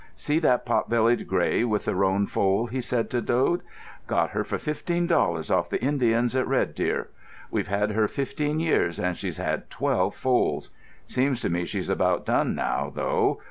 "See that pot bellied grey with the roan foal?" he said to Dode. "Got her for fifteen dollars off the Indians at Red Deer. We've had her fifteen years, and she's had twelve foals. Seems to me she's about done now, though.